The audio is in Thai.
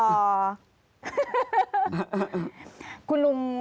วันนี้แต่งตัวหลอ